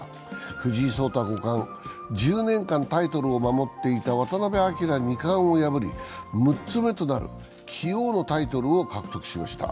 藤井聡太五冠、１０年間タイトルを守っていた渡辺明二冠を破り６つ目となる棋王のタイトルを獲得しました。